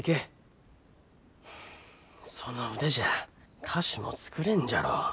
その腕じゃあ菓子も作れんじゃろう。